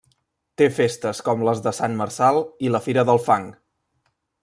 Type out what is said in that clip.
Té festes com les de Sant Marçal i la Fira del Fang.